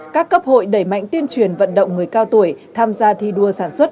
các cấp hội đẩy mạnh tuyên truyền vận động người cao tuổi tham gia thi đua sản xuất